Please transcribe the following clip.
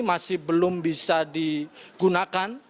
masih belum bisa digunakan